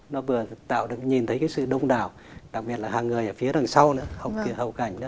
nó vừa tạo được nhìn thấy cái sự đông đảo đặc biệt là hàng người ở phía đằng sau nữa hầu cảnh đó